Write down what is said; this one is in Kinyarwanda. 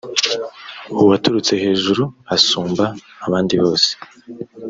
uwaturutse hejuru asumba abandi bose